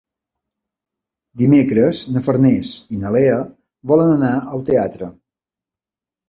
Dimecres na Farners i na Lea volen anar al teatre.